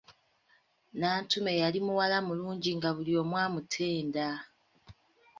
Nantume yali muwala mulungi nga buli omu amutenda!